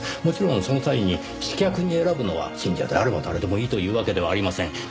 もちろんその際に刺客に選ぶのは信者であれば誰でもいいというわけではありません。